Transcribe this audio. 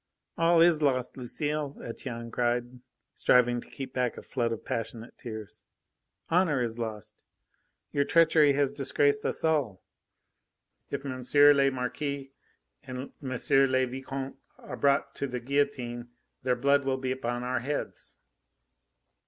"All is lost, Lucile!" Etienne cried, striving to keep back a flood of passionate tears. "Honour is lost. Your treachery has disgraced us all. If M. le Marquis and M. le Vicomte are brought to the guillotine, their blood will be upon our heads."